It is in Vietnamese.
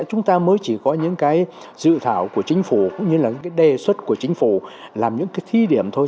chúng ta mới chỉ có những dự thảo của chính phủ cũng như là đề xuất của chính phủ làm những thi điểm thôi